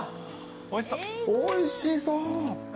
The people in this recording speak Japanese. おいしそう。